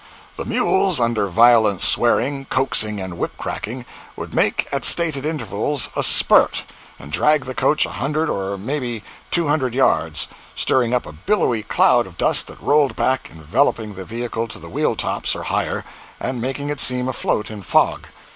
The mules, under violent swearing, coaxing and whip cracking, would make at stated intervals a "spurt," and drag the coach a hundred or may be two hundred yards, stirring up a billowy cloud of dust that rolled back, enveloping the vehicle to the wheel tops or higher, and making it seem afloat in a fog.